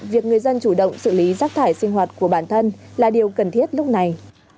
việc người dân chủ động xử lý rác thải sinh hoạt của bản thân là điều cần thiết lúc này